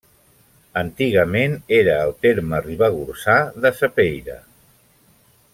Antigament era al terme ribagorçà de Sapeira.